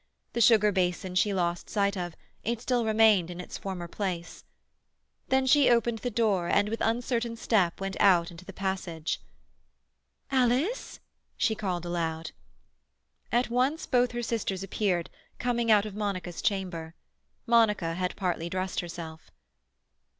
The sugar basin she lost sight of; it still remained in its former place. Then she opened the door, and with uncertain step went out into the passage. "Alice!" she called aloud. At once both her sisters appeared, coming out of Monica's chamber. Monica had partly dressed herself.